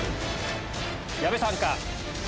矢部さんか？